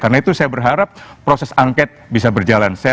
karena itu saya berharap proses angket bisa berjalan